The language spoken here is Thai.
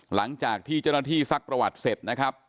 หลังจากที่เจ้าหน้าที่ซักประวัติเสร็จนะครับ